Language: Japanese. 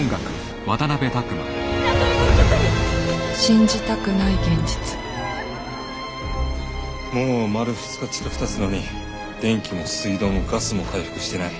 信じたくない現実もう丸２日近くたつのに電気も水道もガスも回復してない。